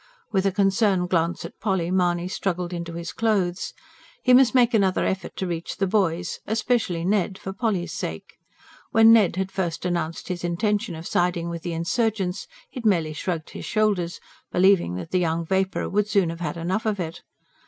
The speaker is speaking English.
With a concerned glance at Polly Mahony struggled into his clothes. He must make another effort to reach the boys especially Ned, for Polly's sake. When Ned had first announced his intention of siding with the insurgents, he had merely shrugged his shoulders, believing that the young vapourer would soon have had enough of it.